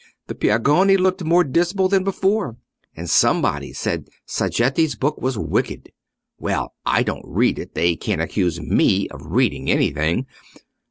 the Piagnoni looked more dismal than before, and somebody said Sacchetti's book was wicked. Well, I don't read it—they can't accuse me of reading anything.